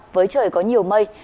với trời có nhiều mây